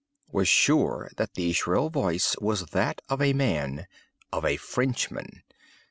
Was sure that the shrill voice was that of a man—of a Frenchman.